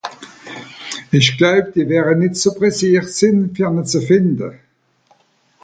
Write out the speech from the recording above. Ìch gläub, die wäre nìtt so presseert sìn, fer ne ze fìnde.